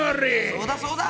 そうだそうだ！